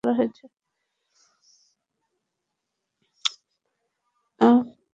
আবেদনের পরিপ্রেক্ষিতে ময়নাতদন্ত ছাড়াই লাশটি পরিবারের সদস্যদের কাছে হস্তান্তর করা হয়েছে।